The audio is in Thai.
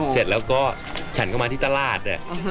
เสร็จแล้วก็ฉันก็มาที่ตลาดเนี่ย